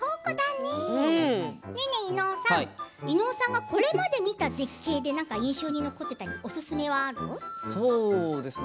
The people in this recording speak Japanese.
ねえねえ、伊野尾さん伊野尾さんがこれまで見た絶景で印象に残っていたりそうですね